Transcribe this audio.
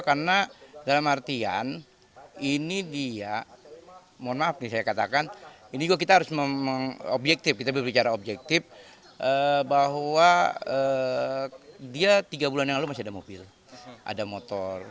karena dalam artian ini dia mohon maaf nih saya katakan ini juga kita harus objektif kita berbicara objektif bahwa dia tiga bulan yang lalu masih ada mobil ada motor